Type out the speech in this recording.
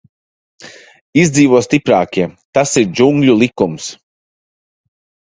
Izdzīvo stiprākie, tas ir džungļu likums.